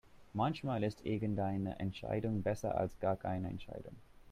Manchmal ist irgendeine Entscheidung besser als gar keine Entscheidung.